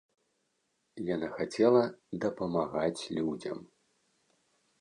Яна хацела дапамагаць людзям.